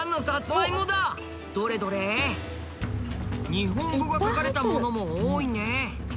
日本語が書かれたものも多いね。